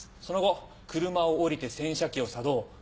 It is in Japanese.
その後車を降りて洗車機を作動。